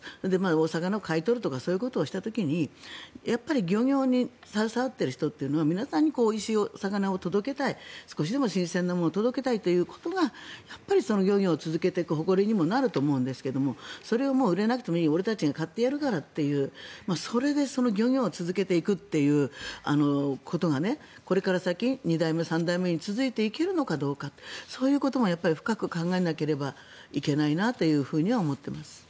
お魚を買い取るとかそういうことをした時にやはり漁業に携わっている人というのは皆さんにおいしい魚を届けたい少しでも新鮮なものを届けたいということがその漁業を続けていく誇りにもなると思うんですけどそれを売れなくてもいい俺たちが買ってやるからというそれで漁業を続けていくということがこれから先、２代目、３代目に続いていけるのかどうかそういうことを深く考えなければいけないなと思っています。